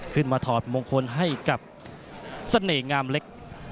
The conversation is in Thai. ขึ้นมาถอดมงคลให้กับสเน่งามเล็ก